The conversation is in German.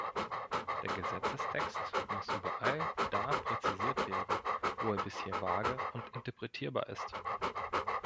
Der Gesetzestext muss überall da präzisiert werden, wo er bisher vage und interpretierbar ist.